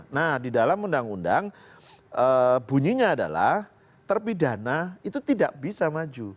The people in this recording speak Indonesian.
nah di dalam undang undang bunyinya adalah terpidana itu tidak bisa maju